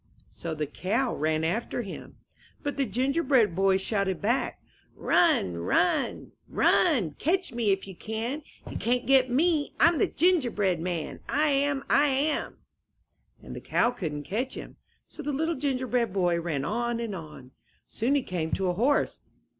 '' So the cow ran after him. 123 MY BOOK HOUSE But the Gingerbread Boy shouted back: ^^Run! Run! Run! Catch me if you can ! You can*t get me! Fm the Gingerbread Man, I am! I am!" And the cow couIdn^t catch him. So the Little Gingerbread Boy ran on and on. Soon he came to a horse.